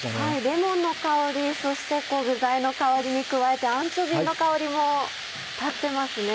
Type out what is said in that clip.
レモンの香りそして具材の香りに加えてアンチョビーの香りも立ってますね。